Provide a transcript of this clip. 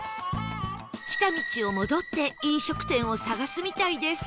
来た道を戻って飲食店を探すみたいです